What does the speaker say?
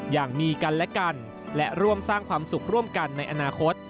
อย่างมีกันและกันและร่วมสร้างความสุขร่วมกันในอนาคต